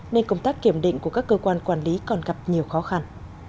nên công tác kiểm định của các cơ quan quản lý còn gặp nhiều khó khăn